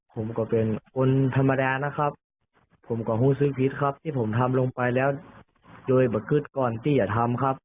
ผมก็เป็นคนธรรมดานะครับผมกับผู้ซื้อพิษครับที่ผมทำลงไปแล้วโดยประคึดก่อนที่อย่าทำครับ